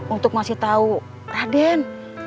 untuk masih tau raden